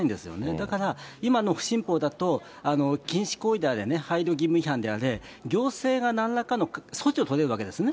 だから、今の新法だと、禁止行為であれ、配慮義務違反であれ、行政がなんらかの措置を取れるわけですね。